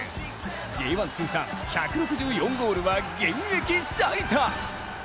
Ｊ１通算、１６４ゴールは現役最多。